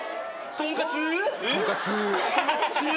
とんかつー！